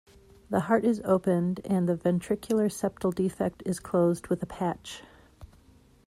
The heart is opened and the ventricular septal defect is closed with a patch.